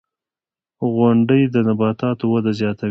• غونډۍ د نباتاتو وده زیاتوي.